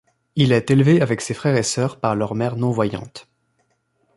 Il est élevé avec ses frères et sœurs par leur mère non-voyante.